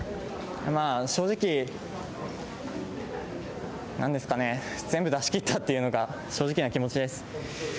まあ、正直、なんですかね、全部出しきったっていうのが正直な気持ちです。